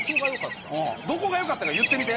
どこが良かったか言ってみて。